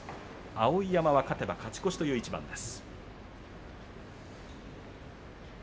碧山は勝てば勝ち越しという一番です。